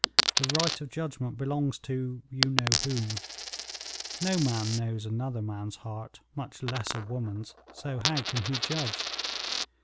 The right of judgment belongs to you know whom. No man knows another man's heart, much less a woman's, so how can he judge?